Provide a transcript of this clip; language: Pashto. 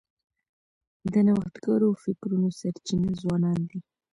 د نوښتګرو فکرونو سرچینه ځوانان دي.